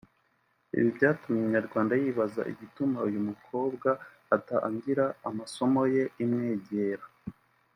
Ibi byatumye Inyarwanda yibazaga igituma uyu mukobwa adatangira amasomo ye imwegera